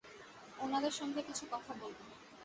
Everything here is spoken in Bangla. ওনাদের সঙ্গে কিছু কথা বলব!